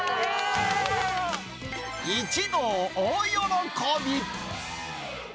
一同、大喜び。